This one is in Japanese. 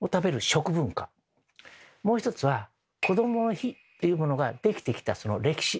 もう一つは「こどもの日」っていうものができてきたその歴史。